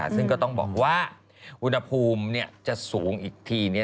ซึ่งก็ต้องบอกว่าอุณหภูมิจะสูงอีกที